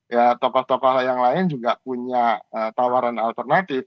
ya tokoh tokoh yang lain juga punya tawaran alternatif